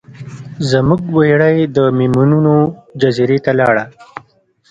زموږ بیړۍ د میمونونو جزیرې ته لاړه.